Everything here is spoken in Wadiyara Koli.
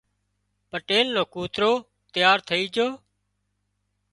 پٽيل نو ڪوترو تيار ٿئي جھو